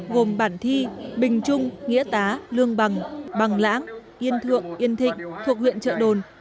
gồm bản thi bình trung nghĩa tá lương bằng bằng lãng yên thượng yên thịnh thuộc huyện trợ đồn